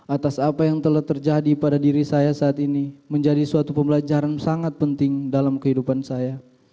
atas apa yang telah terjadi pada diri saya saat ini menjadi suatu pembelajaran sangat penting dalam kehidupan saya